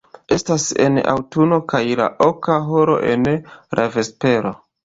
Estas en aŭtuno kaj la oka horo en la vespero.